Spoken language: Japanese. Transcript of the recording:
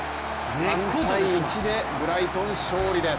３−１でブライトン勝利です。